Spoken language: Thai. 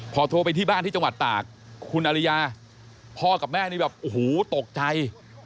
พอโทรไปที่บ้านที่จังหวัดตากคุณอริยาพ่อกับแม่นี่แบบโอ้โหตกใจ